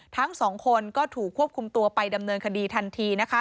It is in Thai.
ทั้งสองคนก็ถูกควบคุมตัวไปดำเนินคดีทันทีนะคะ